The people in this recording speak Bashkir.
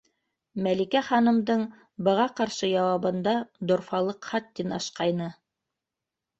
Мәликә ханымдың быға ҡаршы яуабында дорфалыҡ хаттин ашҡайны: